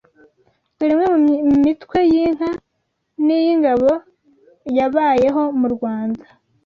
Dore imwe mu mitwe y’inka n’iy’ingabo yabayeho mu Rwanda